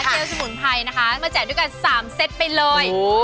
เลลสมุนไพรนะคะมาแจกด้วยกัน๓เซตไปเลย